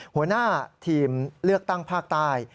หัวหน้าทีมเลือกตั้งภาคใต้